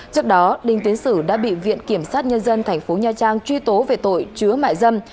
trước đó đinh tiến sử đã bị viện kiểm sát nhân dân thành phố nha trang truy tố về tội chứa mại dân